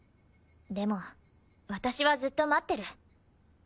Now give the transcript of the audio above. でも私はずっと待ってる。